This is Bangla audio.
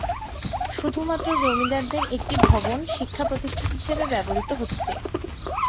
শুধুমাত্র জমিদারদের একটি ভবন শিক্ষা প্রতিষ্ঠান হিসেবে ব্যবহৃত হচ্ছে।